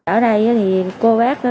ở đây thì cô bác